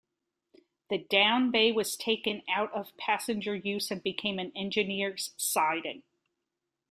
The down bay was taken out of passenger use and became an engineer's siding.